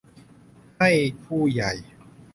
ให้ผู้ใหญ่